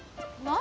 何？